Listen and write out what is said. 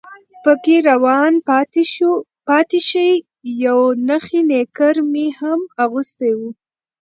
پکې روان پاتې شي، یو نخی نیکر مې هم اغوستی و.